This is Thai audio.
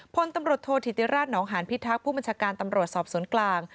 พลตำรวจโทษธิติราชนองหานพิทักษ์ผู้บัญชาการตำรวจสอบสวนกลาง